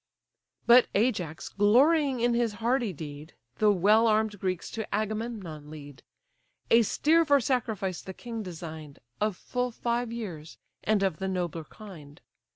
But Ajax, glorying in his hardy deed, The well arm'd Greeks to Agamemnon lead. A steer for sacrifice the king design'd, Of full five years, and of the nobler kind.